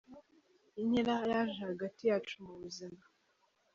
Intera yaje hagati yacu mu buzima.